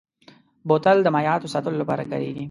بوتل د مایعاتو ساتلو لپاره کارېږي.